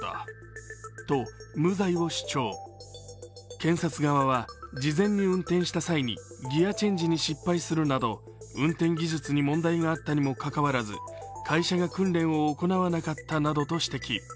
検察側は、事前に運転した際にギアチェンジに失敗するなど運転技術に問題があったにもかかわらず会社が訓練を行わなかったなどと指摘。